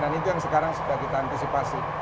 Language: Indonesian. dan itu yang sekarang sudah kita antisipasi